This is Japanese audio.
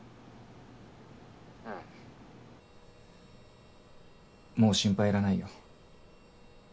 うんもう心配いらないよ。